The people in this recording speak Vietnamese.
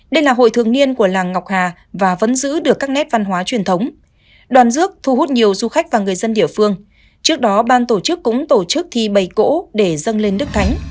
đây là hội thường niên của làng ngọc hà và vẫn giữ được các nét văn hóa truyền thống đoàn rước thu hút nhiều du khách và người dân địa phương trước đó ban tổ chức cũng tổ chức thi bày cỗ để dâng lên đức thánh